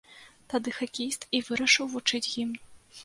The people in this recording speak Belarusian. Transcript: Тады хакеіст і вырашыў вучыць гімн.